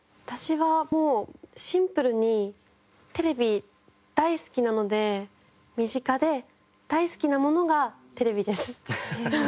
私はもうシンプルにテレビ大好きなので身近で大好きなものがテレビです。